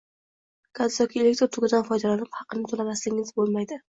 Gaz yoki elektr tokidan foydalanib, haqqini to‘lamasangiz bo‘lmaydi.